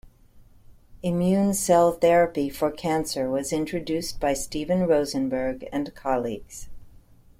Immune cell therapy for cancer was introduced by Steven Rosenberg and colleagues.